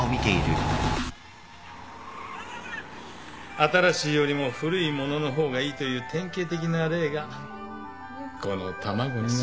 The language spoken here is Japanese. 新しいよりも古いものの方がいいという典型的な例がこの卵にはある。